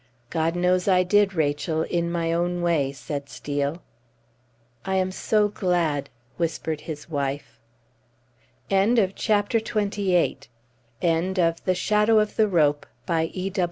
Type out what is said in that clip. "God knows I did, Rachel, in my own way," said Steel. "I am so glad!" whispered his wife. THE END End of the Project Gutenberg EBook of The Shadow of the Rope, by E.